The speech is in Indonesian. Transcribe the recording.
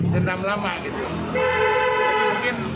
dendam lama gitu